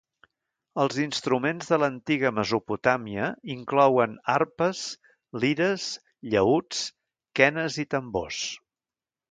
Els instruments de l'antiga Mesopotàmia inclouen arpes, lires, llaüts, quenes i tambors.